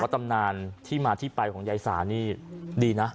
ตำนานที่มาที่ไปของยายสานี่ดีนะ